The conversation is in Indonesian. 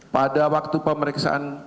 pada waktu pemeriksaan